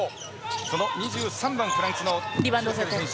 その２３番、フランスの選手。